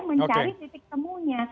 mencari titik temunya